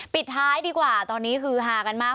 ปิดท้ายดีกว่าตอนนี้คือฮากันมาก